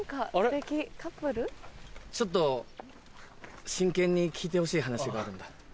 ちょっと真剣に聞いてほしい話があるんだ。